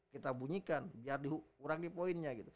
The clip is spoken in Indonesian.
kita bunyikan biar dikurangi poinnya